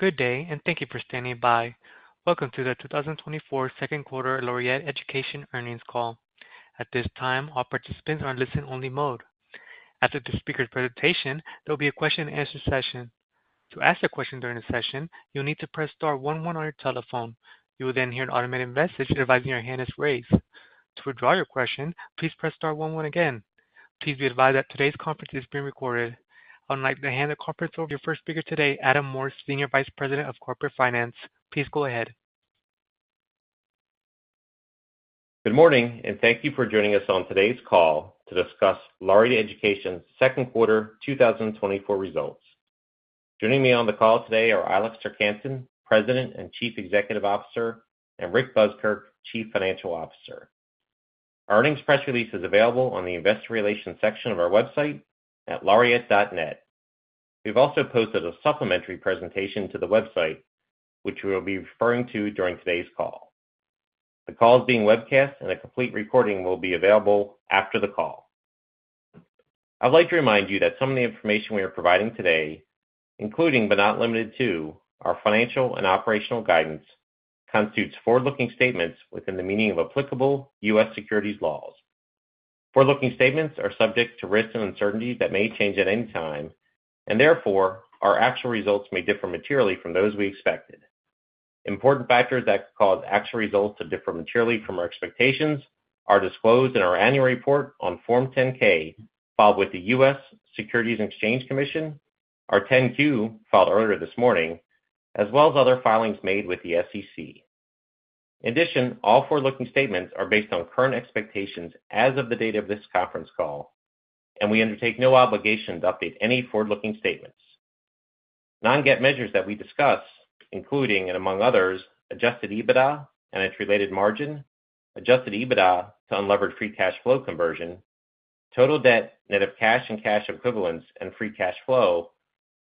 Good day, and thank you for standing by. Welcome to the 2024 Second Quarter Laureate Education Earnings Call. At this time, all participants are in listen-only mode. After this speaker's presentation, there will be a question-and-answer session. To ask a question during the session, you'll need to press Star 11 on your telephone. You will then hear an automated message advising your hand is raised. To withdraw your question, please press Star one one again. Please be advised that today's conference is being recorded. I would like to hand the conference over to your first speaker today, Adam Morse, Senior Vice President of Corporate Finance. Please go ahead. Good morning, and thank you for joining us on today's call to discuss Laureate Education's Second Quarter 2024 results. Joining me on the call today are Eilif Serck-Hanssen, President and Chief Executive Officer, and Rick Buskirk, Chief Financial Officer. Our earnings press release is available on the Investor Relations section of our website at laureate.net. We've also posted a supplementary presentation to the website, which we will be referring to during today's call. The call is being webcast, and a complete recording will be available after the call. I'd like to remind you that some of the information we are providing today, including but not limited to our financial and operational guidance, constitutes forward-looking statements within the meaning of applicable U.S. securities laws. Forward-looking statements are subject to risks and uncertainties that may change at any time, and therefore, our actual results may differ materially from those we expected. Important factors that cause actual results to differ materially from our expectations are disclosed in our annual report on Form 10-K, filed with the U.S. Securities and Exchange Commission, our 10-Q filed earlier this morning, as well as other filings made with the SEC. In addition, all forward-looking statements are based on current expectations as of the date of this conference call, and we undertake no obligation to update any forward-looking statements. Non-GAAP measures that we discuss, including, and among others, Adjusted EBITDA and its related margin, Adjusted EBITDA to unlevered free cash flow conversion, total debt, net of cash and cash equivalents, and free cash flow,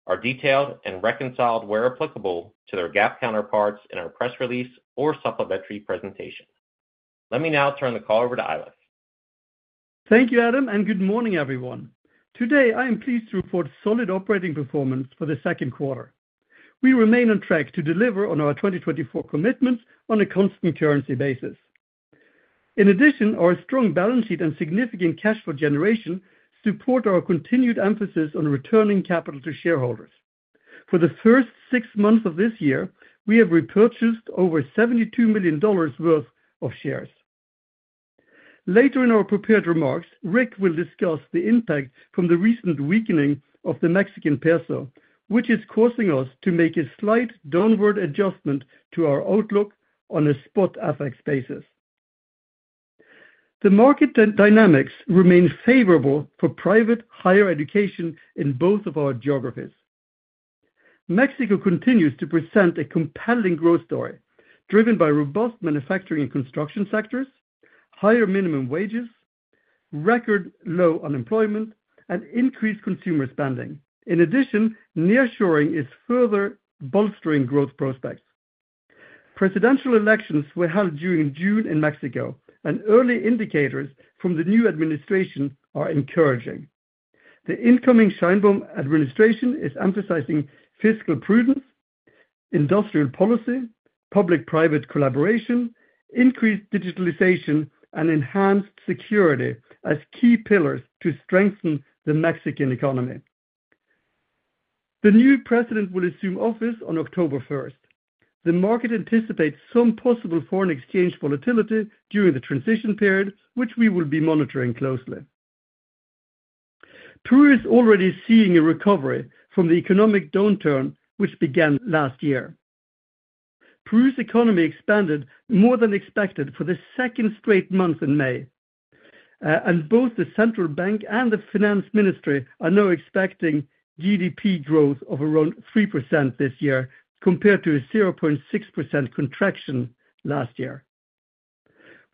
are detailed and reconciled where applicable to their GAAP counterparts in our press release or supplementary presentation. Let me now turn the call over to Eilif. Thank you, Adam, and good morning, everyone. Today, I am pleased to report solid operating performance for the second quarter. We remain on track to deliver on our 2024 commitments on a constant currency basis. In addition, our strong balance sheet and significant cash flow generation support our continued emphasis on returning capital to shareholders. For the first six months of this year, we have repurchased over $72 million worth of shares. Later in our prepared remarks, Rick will discuss the impact from the recent weakening of the Mexican peso, which is causing us to make a slight downward adjustment to our outlook on a spot FX basis. The market dynamics remain favorable for private higher education in both of our geographies. Mexico continues to present a compelling growth story, driven by robust manufacturing and construction sectors, higher minimum wages, record low unemployment, and increased consumer spending. In addition, nearshoring is further bolstering growth prospects. Presidential elections were held during June in Mexico, and early indicators from the new administration are encouraging. The incoming Sheinbaum administration is emphasizing fiscal prudence, industrial policy, public-private collaboration, increased digitalization, and enhanced security as key pillars to strengthen the Mexican economy. The new president will assume office on October 1st. The market anticipates some possible foreign exchange volatility during the transition period, which we will be monitoring closely. Peru is already seeing a recovery from the economic downturn which began last year. Peru's economy expanded more than expected for the second straight month in May, and both the central bank and the finance ministry are now expecting GDP growth of around 3% this year, compared to a 0.6% contraction last year.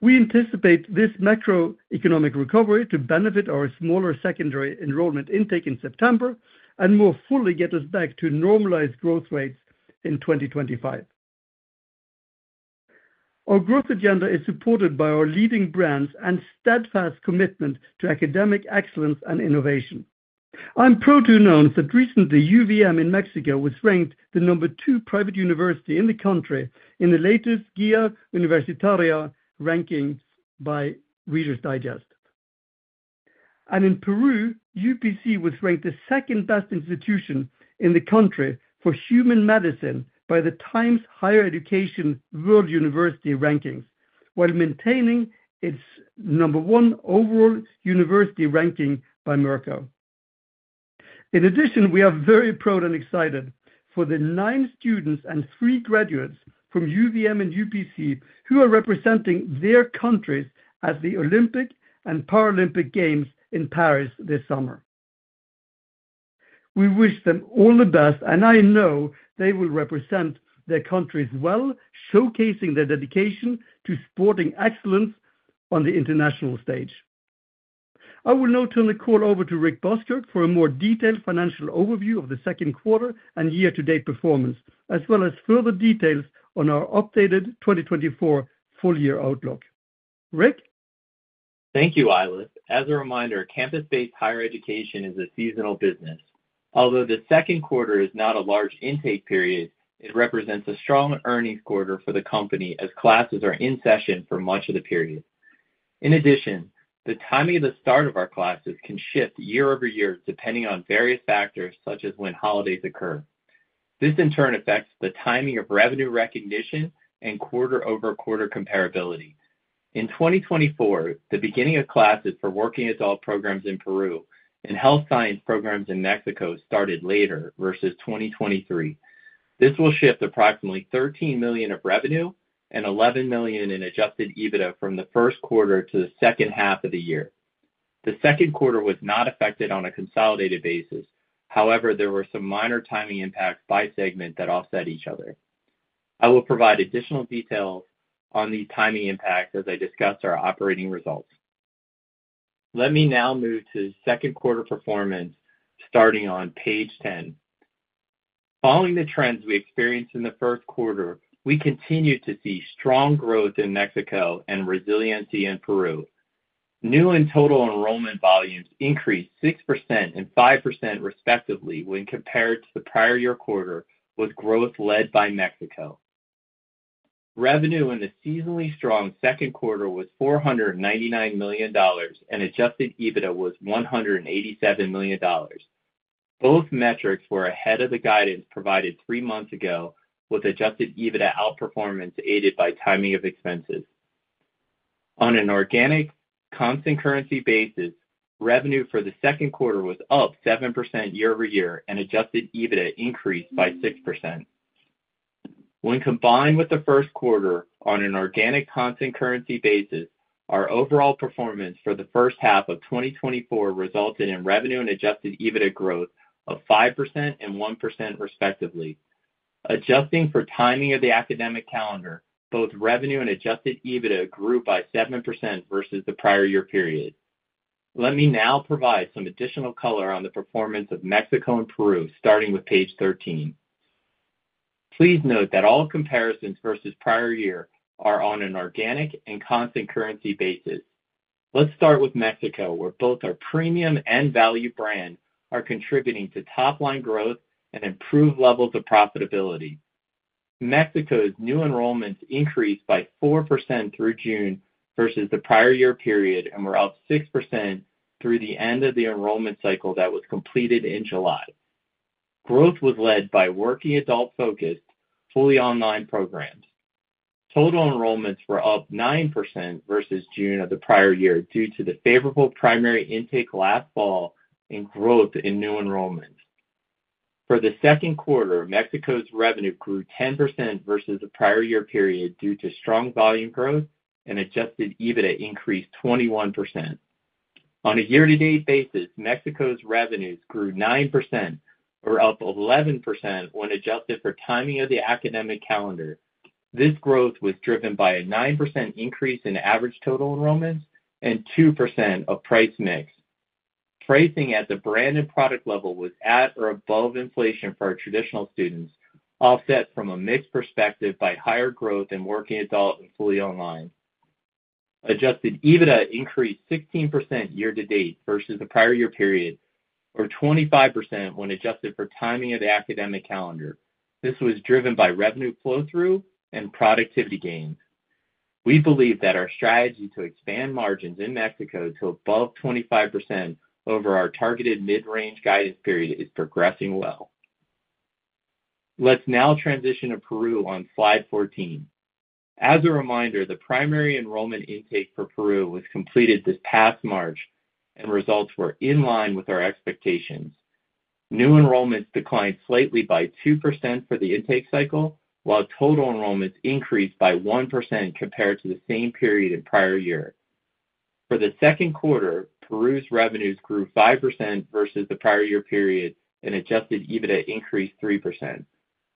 We anticipate this macroeconomic recovery to benefit our smaller secondary enrollment intake in September and more fully get us back to normalized growth rates in 2025. Our growth agenda is supported by our leading brands and steadfast commitment to academic excellence and innovation. I'm proud to announce that recently, UVM in Mexico was ranked the number two private university in the country in the latest Guía Universitaria rankings by Reader's Digest. In Peru, UPC was ranked the second best institution in the country for human medicine by the Times Higher Education World University Rankings, while maintaining its number one overall university ranking by MERCO. In addition, we are very proud and excited for the nine students and three graduates from UVM and UPC who are representing their countries at the Olympic and Paralympic Games in Paris this summer. We wish them all the best, and I know they will represent their countries well, showcasing their dedication to sporting excellence on the international stage. I will now turn the call over to Rick Buskirk for a more detailed financial overview of the second quarter and year-to-date performance, as well as further details on our updated 2024 full-year outlook. Rick? Thank you, Eilif. As a reminder, campus-based higher education is a seasonal business. Although the second quarter is not a large intake period, it represents a strong earnings quarter for the company as classes are in session for much of the period. In addition, the timing of the start of our classes can shift year-over-year depending on various factors such as when holidays occur. This, in turn, affects the timing of revenue recognition and quarter-over-quarter comparability. In 2024, the beginning of classes for working adult programs in Peru and health science programs in Mexico started later versus 2023. This will shift approximately $13 million of revenue and $11 million in Adjusted EBITDA from the first quarter to the second half of the year. The second quarter was not affected on a consolidated basis. However, there were some minor timing impacts by segment that offset each other. I will provide additional details on these timing impacts as I discuss our operating results. Let me now move to second quarter performance starting on page 10. Following the trends we experienced in the first quarter, we continue to see strong growth in Mexico and resiliency in Peru. New and total enrollment volumes increased 6% and 5% respectively when compared to the prior year quarter, with growth led by Mexico. Revenue in the seasonally strong second quarter was $499 million, and Adjusted EBITDA was $187 million. Both metrics were ahead of the guidance provided three months ago, with Adjusted EBITDA outperformance aided by timing of expenses. On an organic, constant currency basis, revenue for the second quarter was up 7% year-over-year, and Adjusted EBITDA increased by 6%. When combined with the first quarter on an organic, constant currency basis, our overall performance for the first half of 2024 resulted in revenue and Adjusted EBITDA growth of 5% and 1% respectively. Adjusting for timing of the academic calendar, both revenue and Adjusted EBITDA grew by 7% versus the prior year period. Let me now provide some additional color on the performance of Mexico and Peru, starting with page 13. Please note that all comparisons versus prior year are on an organic and constant currency basis. Let's start with Mexico, where both our premium and value brand are contributing to top-line growth and improved levels of profitability. Mexico's new enrollments increased by 4% through June versus the prior year period, and were up 6% through the end of the enrollment cycle that was completed in July. Growth was led by working adult-focused, fully online programs. Total enrollments were up 9% versus June of the prior year due to the favorable primary intake last fall and growth in new enrollments. For the second quarter, Mexico's revenue grew 10% versus the prior year period due to strong volume growth, and adjusted EBITDA increased 21%. On a year-to-date basis, Mexico's revenues grew 9%, or up 11% when adjusted for timing of the academic calendar. This growth was driven by a 9% increase in average total enrollments and 2% of price mix. Pricing at the brand and product level was at or above inflation for our traditional students, offset from a mixed perspective by higher growth in working adult and fully online. Adjusted EBITDA increased 16% year-to-date versus the prior year period, or 25% when adjusted for timing of the academic calendar. This was driven by revenue flow-through and productivity gains. We believe that our strategy to expand margins in Mexico to above 25% over our targeted mid-range guidance period is progressing well. Let's now transition to Peru on slide 14. As a reminder, the primary enrollment intake for Peru was completed this past March, and results were in line with our expectations. New enrollments declined slightly by 2% for the intake cycle, while total enrollments increased by 1% compared to the same period in prior year. For the second quarter, Peru's revenues grew 5% versus the prior year period, and Adjusted EBITDA increased 3%.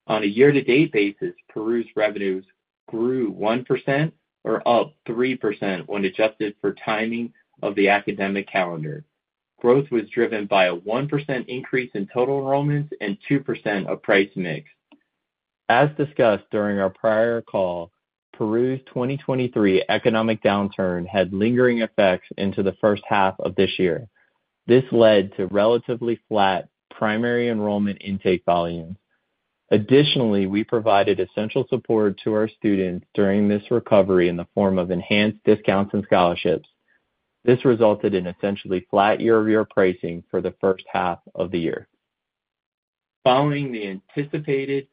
On a year-to-date basis, Peru's revenues grew 1%, or up 3% when adjusted for timing of the academic calendar. Growth was driven by a 1% increase in total enrollments and 2% of price mix. As discussed during our prior call, Peru's 2023 economic downturn had lingering effects into the first half of this year. This led to relatively flat primary enrollment intake volumes. Additionally, we provided essential support to our students during this recovery in the form of enhanced discounts and scholarships. This resulted in essentially flat year-over-year pricing for the first half of the year. Following the anticipated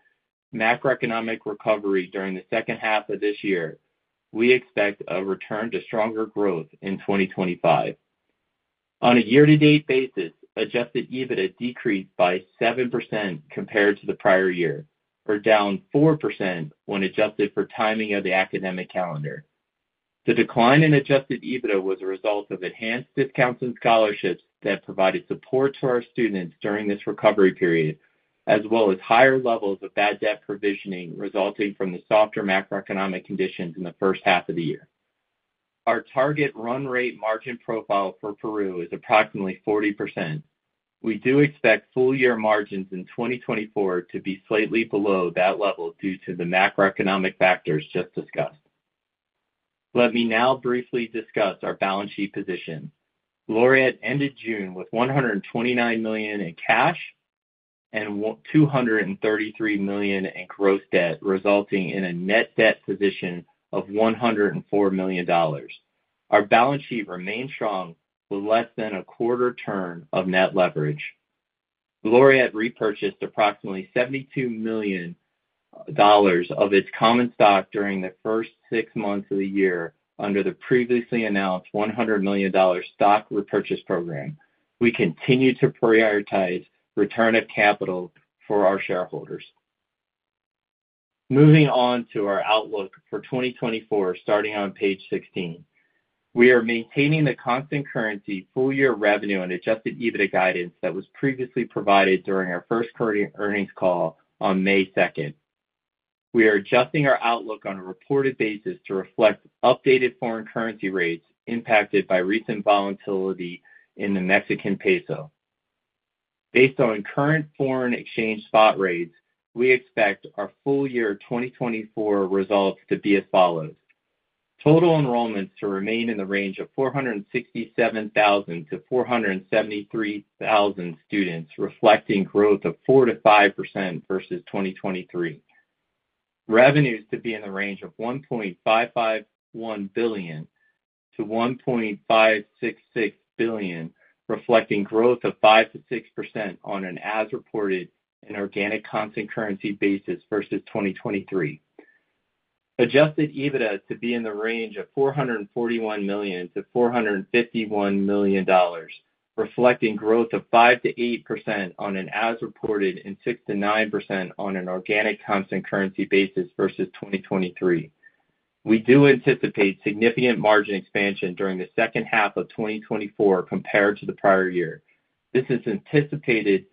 macroeconomic recovery during the second half of this year, we expect a return to stronger growth in 2025. On a year-to-date basis, Adjusted EBITDA decreased by 7% compared to the prior year, or down 4% when adjusted for timing of the academic calendar. The decline in Adjusted EBITDA was a result of enhanced discounts and scholarships that provided support to our students during this recovery period, as well as higher levels of bad debt provisioning resulting from the softer macroeconomic conditions in the first half of the year. Our target run rate margin profile for Peru is approximately 40%. We do expect full-year margins in 2024 to be slightly below that level due to the macroeconomic factors just discussed. Let me now briefly discuss our balance sheet positions. Laureate ended June with $129 million in cash and $233 million in gross debt, resulting in a net debt position of $104 million. Our balance sheet remained strong with less than a quarter turn of net leverage. Laureate repurchased approximately $72 million of its common stock during the first six months of the year under the previously announced $100 million stock repurchase program. We continue to prioritize return of capital for our shareholders. Moving on to our outlook for 2024, starting on page 16. We are maintaining the constant currency full-year revenue and Adjusted EBITDA guidance that was previously provided during our first earnings call on May 2nd. We are adjusting our outlook on a reported basis to reflect updated foreign currency rates impacted by recent volatility in the Mexican peso. Based on current foreign exchange spot rates, we expect our full-year 2024 results to be as follows. Total enrollments to remain in the range of 467,000-473,000 students, reflecting growth of 4%-5% versus 2023. Revenues to be in the range of $1.551 billion-$1.566 billion, reflecting growth of 5%-6% on an as-reported and organic constant currency basis versus 2023. Adjusted EBITDA to be in the range of $441 million-$451 million, reflecting growth of 5%-8% on an as-reported and 6%-9% on an organic constant currency basis versus 2023. We do anticipate significant margin expansion during the second half of 2024 compared to the prior year. This is anticipated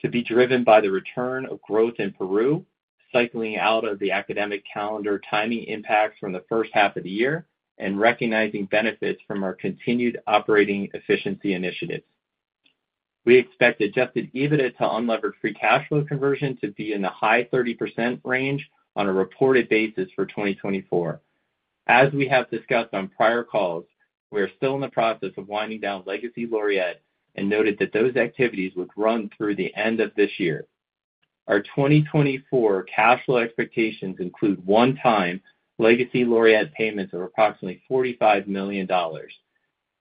to be driven by the return of growth in Peru, cycling out of the academic calendar timing impacts from the first half of the year, and recognizing benefits from our continued operating efficiency initiatives. We expect Adjusted EBITDA to Unlevered Free Cash Flow conversion to be in the high 30% range on a reported basis for 2024. As we have discussed on prior calls, we are still in the process of winding down legacy Laureate and noted that those activities would run through the end of this year. Our 2024 cash flow expectations include one-time legacy Laureate payments of approximately $45 million,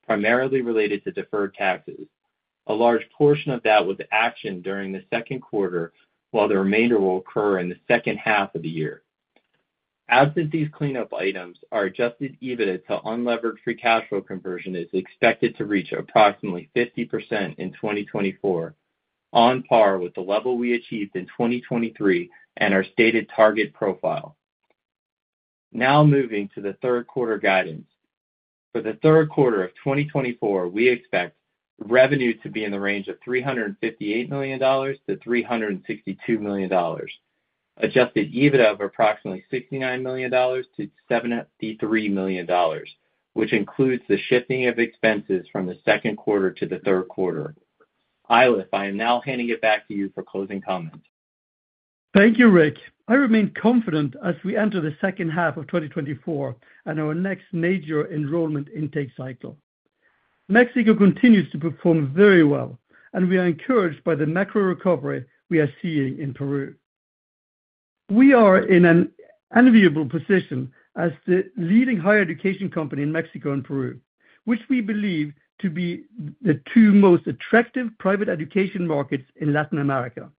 primarily related to deferred taxes. A large portion of that was actioned during the second quarter, while the remainder will occur in the second half of the year. As did these cleanup items, our Adjusted EBITDA to Unlevered Free Cash Flow conversion is expected to reach approximately 50% in 2024, on par with the level we achieved in 2023 and our stated target profile. Now moving to the third quarter guidance. For the third quarter of 2024, we expect revenue to be in the range of $358 million-$362 million, Adjusted EBITDA of approximately $69 million-$73 million, which includes the shifting of expenses from the second quarter to the third quarter. Eilif, I am now handing it back to you for closing comments. Thank you, Rick. I remain confident as we enter the second half of 2024 and our next major enrollment intake cycle. Mexico continues to perform very well, and we are encouraged by the macro recovery we are seeing in Peru. We are in an enviable position as the leading higher education company in Mexico and Peru, which we believe to be the two most attractive private education markets in Latin America.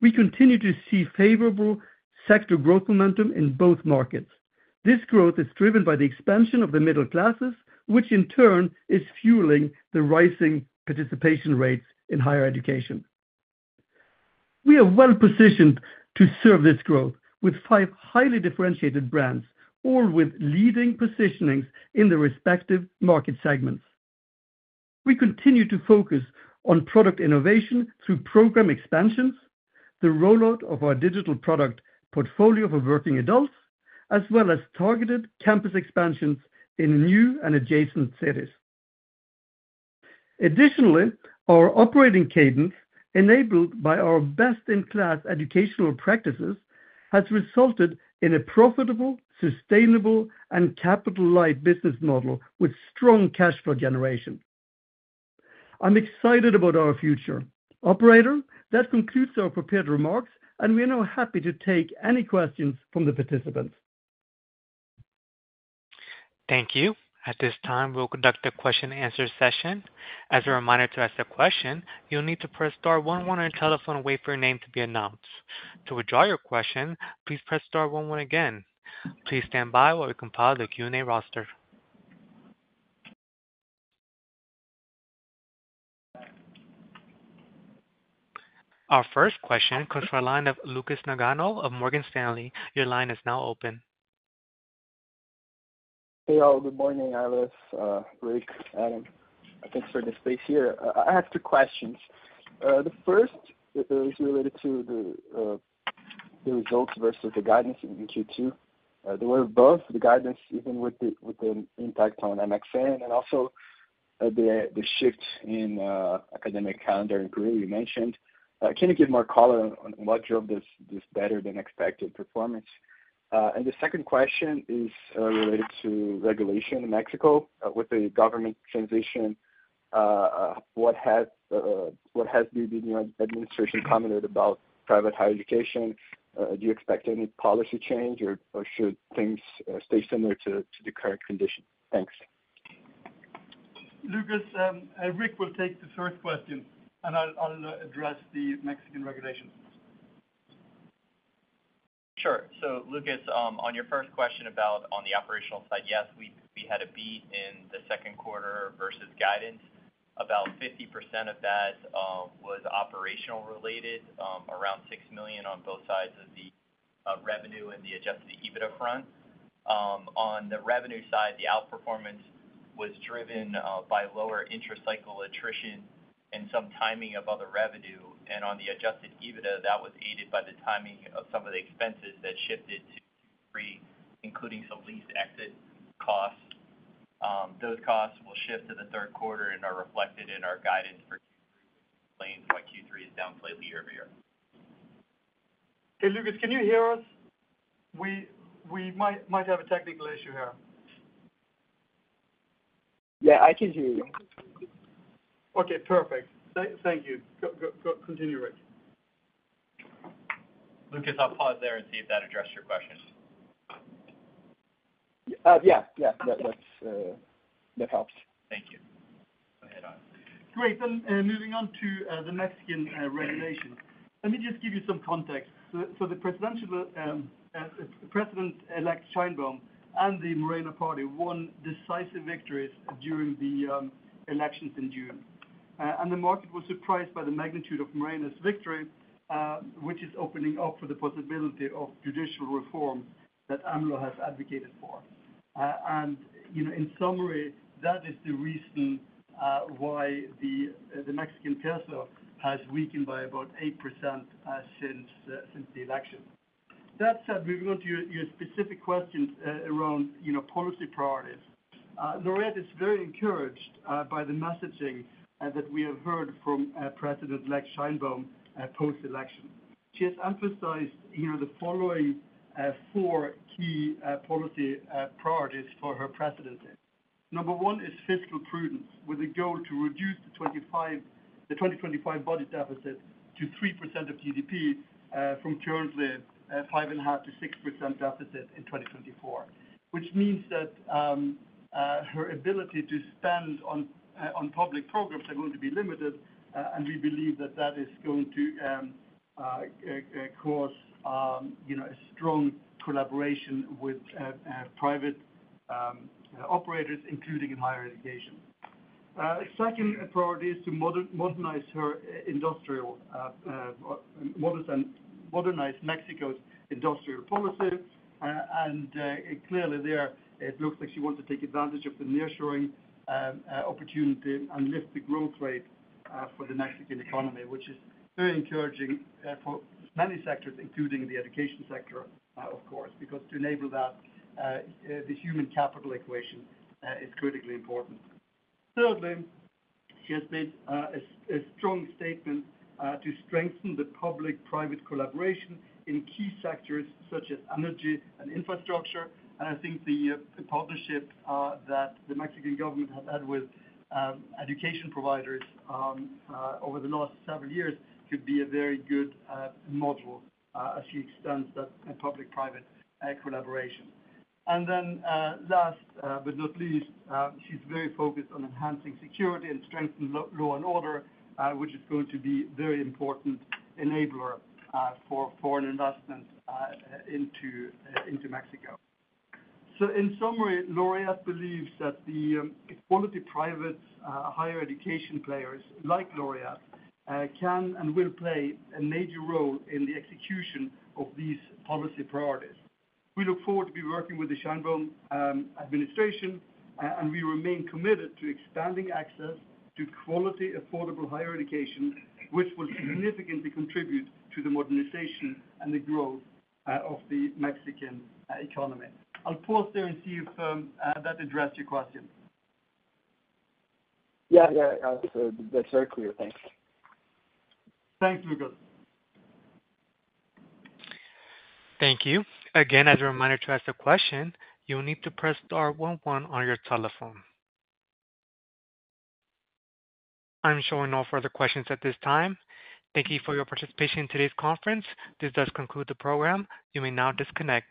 We continue to see favorable sector growth momentum in both markets. This growth is driven by the expansion of the middle classes, which in turn is fueling the rising participation rates in higher education. We are well positioned to serve this growth with five highly differentiated brands, all with leading positionings in their respective market segments. We continue to focus on product innovation through program expansions, the rollout of our digital product portfolio for working adults, as well as targeted campus expansions in new and adjacent cities. Additionally, our operating cadence, enabled by our best-in-class educational practices, has resulted in a profitable, sustainable, and capital-light business model with strong cash flow generation. I'm excited about our future. Operator, that concludes our prepared remarks, and we are now happy to take any questions from the participants. Thank you. At this time, we'll conduct a question-and-answer session. As a reminder to ask a question, you'll need to press star 11 on your telephone and wait for your name to be announced. To withdraw your question, please press star 11 again. Please stand by while we compile the Q&A roster. Our first question comes from our line of Lucas Nagano of Morgan Stanley. Your line is now open. Hey, all. Good morning, Eilif, Rick, Adam. Thanks for the space here. I have two questions. The first is related to the results versus the guidance in Q2. We were above the guidance, even with the impact on MXN, and also the shift in academic calendar in Peru you mentioned. Can you give more color on what drove this better than expected performance? And the second question is related to regulation in Mexico. With the government transition, what has the administration commented about private higher education? Do you expect any policy change, or should things stay similar to the current condition? Thanks. Lucas, Rick will take the first question, and I'll address the Mexican regulation. Sure. So, Lucas, on your first question about on the operational side, yes, we had a beat in the second quarter versus guidance. About 50% of that was operational-related, around $6 million on both sides of the revenue and the Adjusted EBITDA front. On the revenue side, the outperformance was driven by lower interest cycle attrition and some timing of other revenue. And on the Adjusted EBITDA, that was aided by the timing of some of the expenses that shifted to Q3, including some lease exit costs. Those costs will shift to the third quarter and are reflected in our guidance for Q3, which explains why Q3 is down slightly year-over-year. Hey, Lucas, can you hear us? We might have a technical issue here. Yeah, I can hear you. Okay, perfect. Thank you. Continue, Rick. Lucas, I'll pause there and see if that addressed your question. Yeah, yeah. That helps. Thank you. Go ahead on. Great. Moving on to the Mexican regulation. Let me just give you some context. So the president-elect Sheinbaum and the Morena party won decisive victories during the elections in June. The market was surprised by the magnitude of Morena's victory, which is opening up for the possibility of judicial reform that AMLO has advocated for. In summary, that is the reason why the Mexican peso has weakened by about 8% since the election. That said, moving on to your specific questions around policy priorities, Laureate is very encouraged by the messaging that we have heard from President-elect Sheinbaum post-election. She has emphasized the following four key policy priorities for her presidency. Number one is fiscal prudence, with a goal to reduce the 2025 budget deficit to 3% of GDP from currently 5.5%-6% deficit in 2024, which means that her ability to spend on public programs is going to be limited, and we believe that that is going to cause a strong collaboration with private operators, including in higher education. Second priority is to modernize her industrial modernize Mexico's industrial policy. Clearly, there, it looks like she wants to take advantage of the nearshoring opportunity and lift the growth rate for the Mexican economy, which is very encouraging for many sectors, including the education sector, of course, because to enable that, the human capital equation is critically important. Thirdly, she has made a strong statement to strengthen the public-private collaboration in key sectors such as energy and infrastructure. I think the partnership that the Mexican government has had with education providers over the last several years could be a very good model as she extends that public-private collaboration. Then last but not least, she's very focused on enhancing security and strengthening law and order, which is going to be a very important enabler for foreign investment into Mexico. In summary, Laureate believes that the quality private higher education players like Laureate can and will play a major role in the execution of these policy priorities. We look forward to working with the Sheinbaum administration, and we remain committed to expanding access to quality, affordable higher education, which will significantly contribute to the modernization and the growth of the Mexican economy. I'll pause there and see if that addressed your question. Yeah, yeah. That's very clear. Thanks. Thanks, Lucas. Thank you. Again, as a reminder to ask a question, you'll need to press star one one on your telephone. I'm showing no further questions at this time. Thank you for your participation in today's conference. This does conclude the program. You may now disconnect.